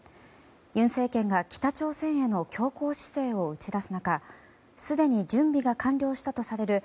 尹政権が北朝鮮への強硬姿勢を打ち出す中すでに準備が完了したとされる